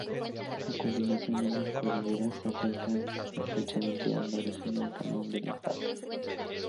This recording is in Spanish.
A continuación ambas cordilleras se acercan estrechamente dando origen al Cañón del Pato.